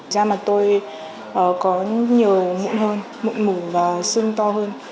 da mặt tôi có nhiều mụn hơn mụn mủ và sưng to hơn